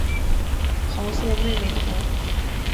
黄色妹妹头。